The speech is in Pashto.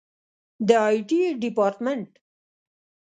د آی ټي ډیپارټمنټ